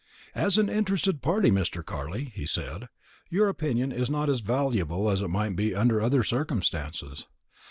"As an interested party, Mr. Carley," he said, "your opinion is not as valuable as it might be under other circumstances.